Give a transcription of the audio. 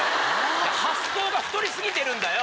発想が太り過ぎてるんだよ。